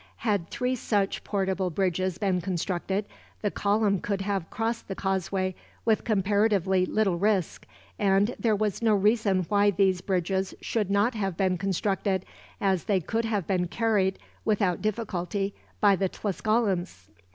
Had three such portable bridges been constructed, the column could have crossed the causeway with comparatively little risk; and there was no reason why these bridges should not have been constructed, as they could have been carried, without difficulty, by the Tlascalans.